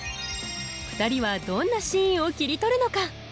２人はどんなシーンを切り取るのか？